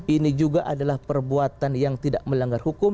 ini juga adalah perbuatan yang tidak melanggar hukum